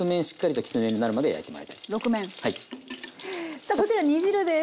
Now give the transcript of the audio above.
さあこちら煮汁です。